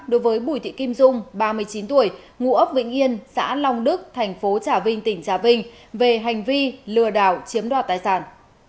đối với bùi thị kim dung ba mươi chín tuổi ngụ ấp vĩnh yên xã long đức thành phố trà vinh tỉnh trà vinh về hành vi lừa đảo chiếm đoạt tài sản